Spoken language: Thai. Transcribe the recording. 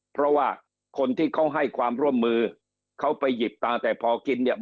เพราะว่าคนที่เขาให้ความร่วมมือเขาไปหยิบตังค์แต่พอกินเนี่ย